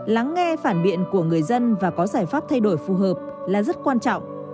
lắng nghe phản biện của người dân và có giải pháp thay đổi phù hợp là rất quan trọng